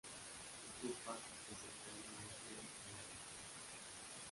Ocupa es sector norte de la isla.